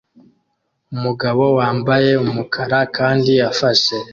Umugabo wambaye umukara kandi afashe